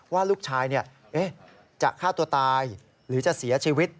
ว่าลูกชายจะฆ่าตัวตายหรือจะเสียชีวิต